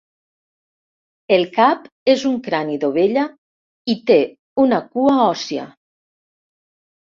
El cap és un crani d'ovella i té una cua òssia.